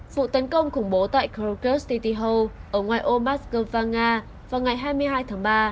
vụ tấn công khủng bố tại krakow city hall ở ngoài ô moscow nga vào ngày hai mươi hai tháng ba